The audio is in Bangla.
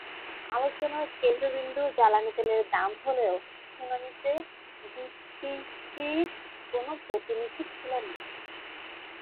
আলোচনার কেন্দ্রবিন্দু জ্বালানি তেলের দাম হলেও শুনানিতে বিপিসির কোনো প্রতিনিধি ছিলেন না।